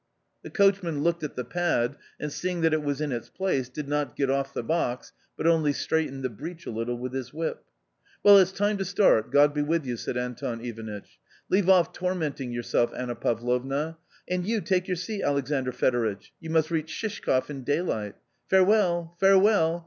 The coachman looked at the pad and seeing that it was in its place did not get off the box but only straightened the breach a little with his whip. " Well, it's time to start, God be with you !" said Anton Ivanitch. " Leave off tormenting yourself, Anna Pavlovna ! And you take your seat, Alexandr Fedoritch ; you must reach Shishkov in daylight. Farewell, farewell